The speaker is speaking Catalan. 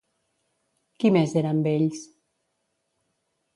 Qui més era amb ells?